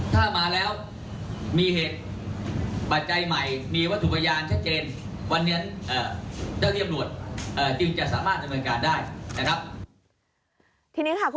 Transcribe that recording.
ถ้ามีเหตุปัจจัยใหม่วันนี้เจ้าเฉียบรวจจีบสามารถแบ่งการได้